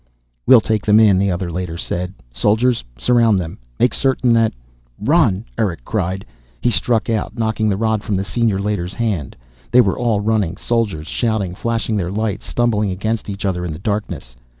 "We'll take them in," the other Leiter said. "Soldiers, surround them. Make certain that " "Run!" Erick cried. He struck out, knocking the rod from the Senior Leiter's hand. They were all running, soldiers shouting, flashing their lights, stumbling against each other in the darkness.